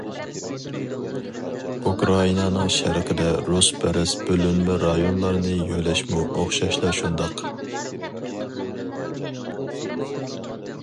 ئۇكرائىنانىڭ شەرقىدە رۇسپەرەس بۆلۈنمە رايونلارنى يۆلەشمۇ ئوخشاشلا شۇنداق.